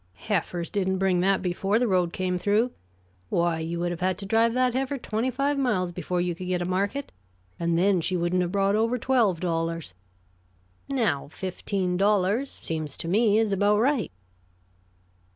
"Heifers didn't bring that before the road came through. Why, you would have had to drive that heifer twenty five miles before you could get a market, and then she wouldn't have brought over twelve dollars. Now, fifteen dollars, seems to me, is about right."